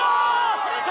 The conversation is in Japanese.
触れた！